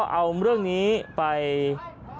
หัวหลัก